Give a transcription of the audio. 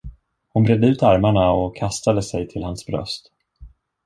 Hon bredde ut armarna och kastade sig till hans bröst.